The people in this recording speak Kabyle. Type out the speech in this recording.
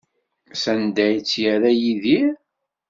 Sanda ay tt-yerra Yidir?